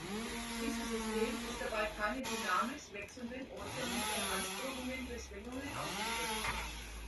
Dieses System ist dabei keinen dynamisch wechselnden äußeren Beanspruchungen durch Schwingungen ausgesetzt.